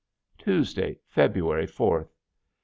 Tuesday, February fourth.